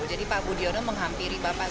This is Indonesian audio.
jadi pak budiono menghampiri bapaknya